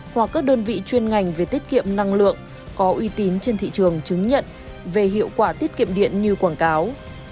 hoặc các đơn vị chuyên ngành về tiết kiệm năng lượng có uy tín trên thị trường chứng nhận về hiệu quả tiết kiệm điện như quảng cáo